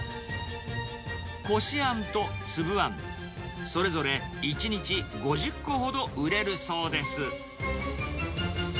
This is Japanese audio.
こしあんと粒あん、夫々１日５０個ほど売れるそうです。